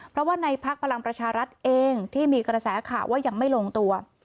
เพราะว่าในพักพลังประชารัฐเองที่มีกระแสข่าวว่ายังไม่ลงตัว